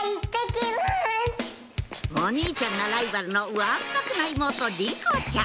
お兄ちゃんがライバルのわんぱくな妹莉子ちゃん